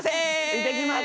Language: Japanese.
行ってきます。